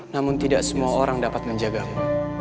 namun tidak semua orang dapat menjagamu